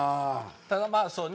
ただまあそうね